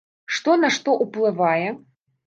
Што на што ўплывае?